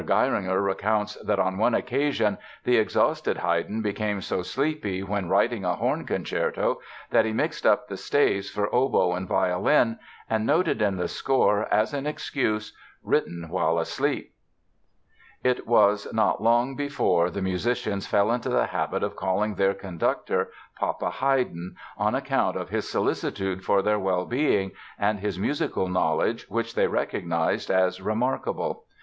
Geiringer recounts that, on one occasion, the exhausted Haydn became so sleepy while writing a horn concerto that he "mixed up the staves for oboe and violin, and noted in the score as an excuse 'written while asleep.'" It was not long before the musicians fell into the habit of calling their conductor "Papa Haydn", on account of his solicitude for their well being and his musical knowledge which they recognized as remarkable.